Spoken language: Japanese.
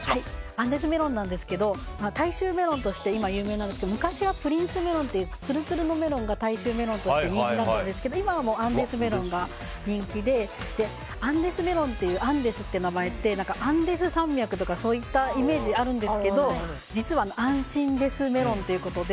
アンデスメロンなんですが大衆メロンとして今、有名なんですけど昔はプリンスメロンというつるつるのメロン大衆メロンとして人気だったんですが今はアンデスメロンが人気でアンデスメロンのアンデスという名前ってアンデス山脈とかそういったイメージがあるんですけど実はアンシンデスメロンということで。